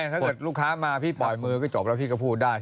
ถ้าเกิดลูกค้ามาพี่ปล่อยมือก็จบแล้วพี่ก็พูดได้